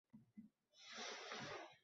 — Hoy bijildoq, hozir ko‘rsatib qo‘yaman!..